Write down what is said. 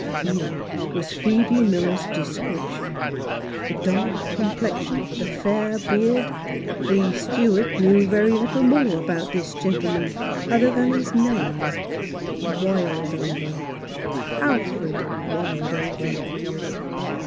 Here was Phoebe Miller's description : the dark complexion and the fair beard. The steward knew very little more about this gentleman than his name — Wildover, Alfred Wildover.